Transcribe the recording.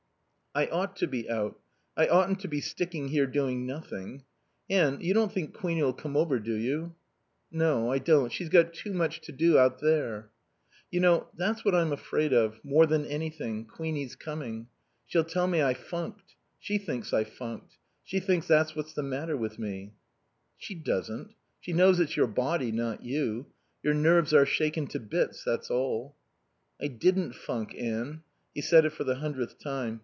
"I ought to be out. I oughtn't to be sticking here doing nothing.... Anne, you don't think Queenie'll come over, do you?" "No, I don't. She's got much too much to do out there." "You know, that's what I'm afraid of, more than anything, Queenie's coming. She'll tell me I funked. She thinks I funked. She thinks that's what's the matter with me." "She doesn't. She knows it's your body, not you. Your nerves are shaken to bits, that's all." "I didn't funk, Anne." (He said it for the hundredth time.)